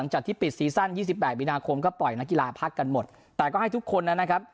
จากที่ปิดซีซั่น๒๘มีนาคมก็ปล่อยนักกีฬาพักกันหมดแต่ก็ให้ทุกคนนั้นนะครับ